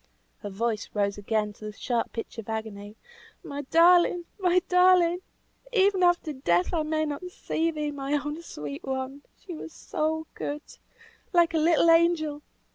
Her voice rose again to the sharp pitch of agony. "My darling! my darling! even after death I may not see thee, my own sweet one! She was so good like a little angel.